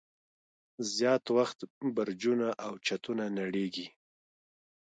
زیات وخت برجونه او چتونه نړیږي.